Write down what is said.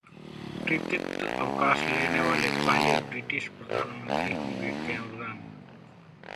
पितृत्व अवकाश लेने वाले पहले ब्रिटिश प्रधानमंत्री होंगे कैमरन